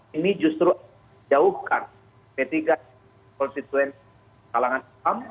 ini justru jauhkan p tiga konstituen kalangan islam